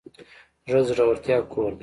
زړه د زړورتیا کور دی.